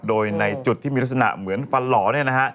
โดยในจุดที่มีลักษณะเหมือนฟันหล่อเนี่ยนะฮะ